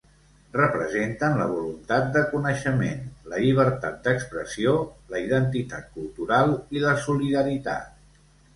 Representen la voluntat de coneixement, la llibertat d'expressió, la identitat cultural i la solidaritat.